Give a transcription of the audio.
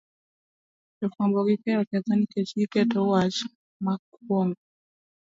Jofuambo gi keyo ketho nikech giketo wach makwongo